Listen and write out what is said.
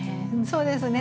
そうですね